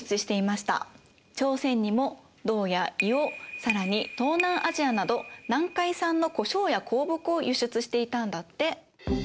朝鮮にも銅や硫黄更に東南アジアなど南海産の胡椒や香木を輸出していたんだって。